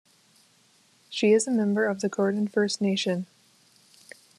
She is a member of the Gordon First Nation.